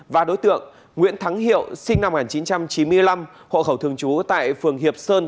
và đối tượng nguyễn thắng hiệu sinh năm một nghìn chín trăm chín mươi năm hộ khẩu thường trú tại phường hiệp sơn